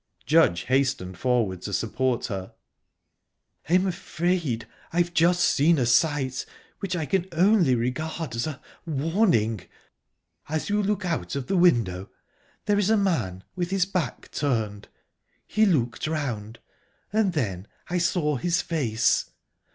Judge hastened forward to support her. "I'm afraid I've just seen a sight which I can only regard as a warning. As you look out of the window there is a man, with his back turned. He looked round, and then I saw his face.